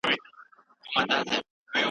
امام غزالي ویلي چي په څېړنه کي تقلید روا نه دی.